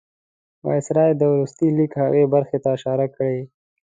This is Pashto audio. د وایسرا د وروستي لیک هغې برخې ته اشاره کړې.